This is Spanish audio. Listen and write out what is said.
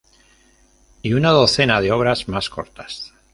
Y una docena de obras más cortas.